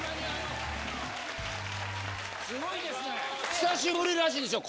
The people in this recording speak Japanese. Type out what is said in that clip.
久しぶりらしいですよ